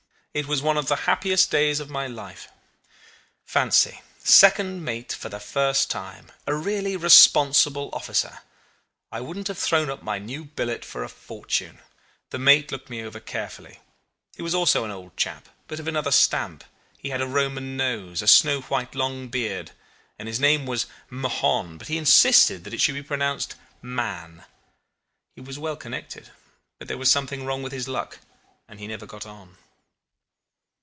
It was one of the happiest days of my life. Fancy! Second mate for the first time a really responsible officer! I wouldn't have thrown up my new billet for a fortune. The mate looked me over carefully. He was also an old chap, but of another stamp. He had a Roman nose, a snow white, long beard, and his name was Mahon, but he insisted that it should be pronounced Mann. He was well connected; yet there was something wrong with his luck, and he had never got on.